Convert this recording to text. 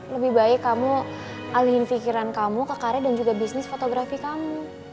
lebih baik kamu alihin pikiran kamu ke karya dan juga bisnis fotografi kamu